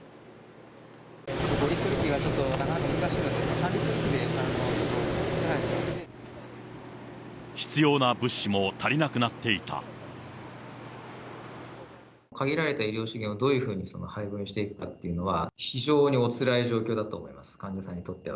５リットル器がなかなか難しくて、必要な物資も足りなくなって限られた医療資源をどういうふうに配分していくかっていうのは、非常におつらい状況だと思います、患者さんにとっては。